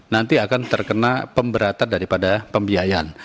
nanti akan terkena pemberatan daripada pembiayaan